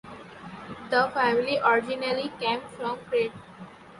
The family originally came from Crete.